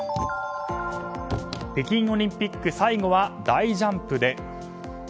北京オリンピック最後は大ジャンプで。